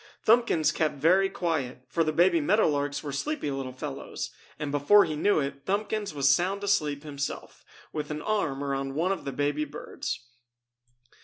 Thumbkins kept very quiet, for the baby meadow larks were sleepy little fellows, and before he knew it Thumbkins was sound asleep himself, with an arm around one of the baby birds.